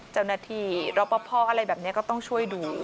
เจ้าหน้าที่รับประพ่ออะไรแบบนี้ก็ต้องช่วยดู